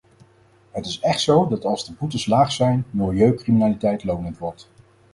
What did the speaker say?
Het is echt zo, dat als de boetes laag zijn, milieucriminaliteit lonend wordt.